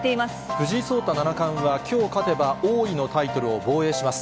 藤井聡太七冠は、きょう、勝てば王位のタイトルを防衛します。